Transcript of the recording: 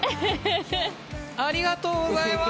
ありがとうございます！